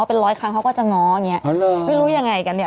เป็นร้อยครั้งเขาก็จะง้ออย่างเงี้ไม่รู้ยังไงกันเนี่ย